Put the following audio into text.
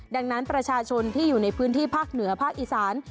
ดังนั้นประชาชนที่อยู่ในพื้นที่ภาคเหนือภาคอีสาน